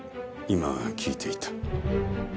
今聞いていた。